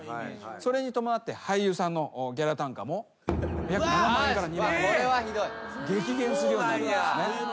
それに伴って俳優さんのギャラ単価も約７万円から２万円に激減するようになるんですね。